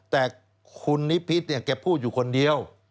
แต่คุณนิพิษเนี่ยแกพูดอยู่คนเดียว